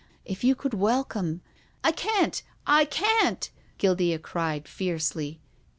If you could welcome "" I can't ! I can't !" Guildea cried fiercely.